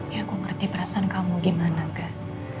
ya aku ngerti perasaan kamu gimana gak